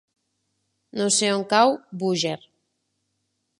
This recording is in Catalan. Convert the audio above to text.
No sé on cau Búger.